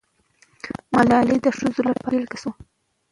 ملالۍ د ښځو لپاره بېلګه سوه.